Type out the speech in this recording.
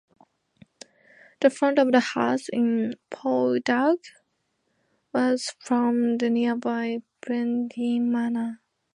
The front of the house in "Poldark" was from the nearby Pendeen Manor.